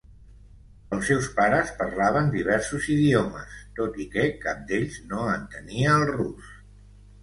Els seus pares parlaven diversos idiomes, tot i que cap d'ells no entenia el rus.